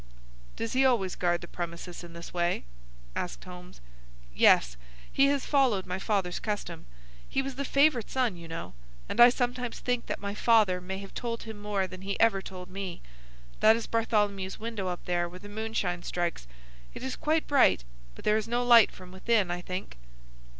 "Does he always guard the premises in this way?" asked Holmes. "Yes; he has followed my father's custom. He was the favourite son, you know, and I sometimes think that my father may have told him more than he ever told me. That is Bartholomew's window up there where the moonshine strikes. It is quite bright, but there is no light from within, I think."